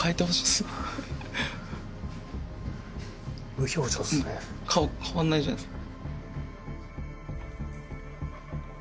無表情ですね顔変わんないじゃないですか